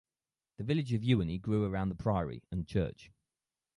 The village of Ewenny grew around the priory and church.